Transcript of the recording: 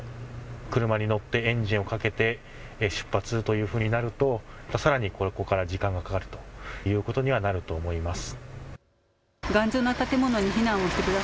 車に乗ってエンジンをかけて出発というふうになるとさらにここから時間がかかるということになると思います。